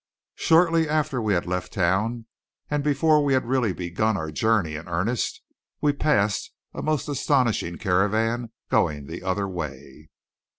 Shortly after we had left town, and before we had really begun our journey in earnest, we passed a most astonishing caravan going the other way.